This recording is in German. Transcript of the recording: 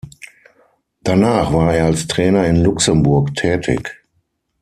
Danach war er als Trainer in Luxemburg tätig.